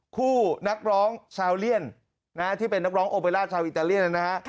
นักร้องชาวเลียนที่เป็นนักร้องโอเบล่าชาวอิตาเลียนนะฮะ